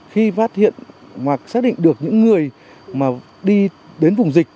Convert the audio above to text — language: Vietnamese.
khi phát hiện hoặc xác định được những người mà đi đến vùng dịch